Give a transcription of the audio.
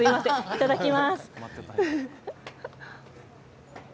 いただきます。